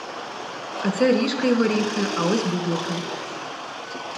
А це ріжки й горіхи, а ось бублики.